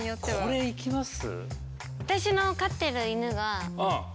これいきます？